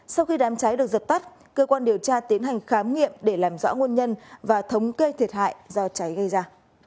sau khi đám cháy được dập tắt cơ quan điều tra tiến hành khám nghiệm để làm rõ nguồn nhân và thống kê thiệt hại do cháy gây ra